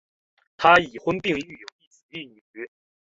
他已婚并育有一子一女。